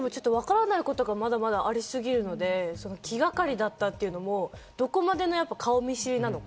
わからないことがありすぎるので、気がかりだったというのもどこまでの顔見知りなのか。